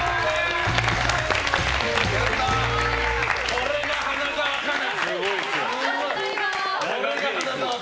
これが花澤香菜。